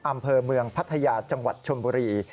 อำเภอเมืองพัทยาจังหวัดชนบุรี